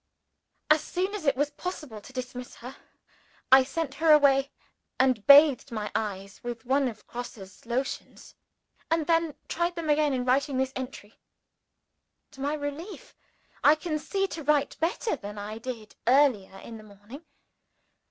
As soon as it was possible to dismiss her, I sent her away, and bathed my eyes with one of Grosse's lotions, and then tried them again in writing this entry. To my relief, I can see to write better than I did earlier in the morning.